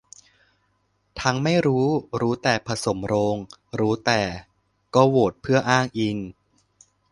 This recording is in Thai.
ทั้งไม่รู้ รู้แต่ผสมโรง รู้แต่ก็โควตเพื่ออ้างอิง